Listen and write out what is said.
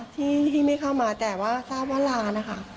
ที่ไม่เข้ามาแต่ว่าทราบว่าร้านนะคะ